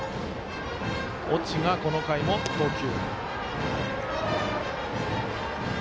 越智が、この回も投球。